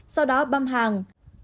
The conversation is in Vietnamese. sau đó băm hàng